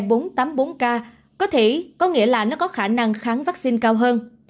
nó cũng mang đột biến e bốn trăm tám mươi bốn k có nghĩa là nó có khả năng kháng vắc xin cao hơn